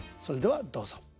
それではどうぞ。